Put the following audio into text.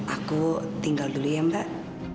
aku tinggal dulu ya mbak